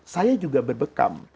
saya juga berbekam